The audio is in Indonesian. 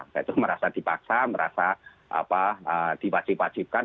yaitu merasa dipaksa merasa dipacip pacipkan